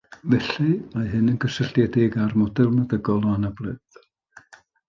Felly, mae hyn yn gysylltiedig â'r model meddygol o anabledd